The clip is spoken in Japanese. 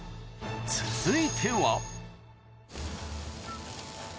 続いては］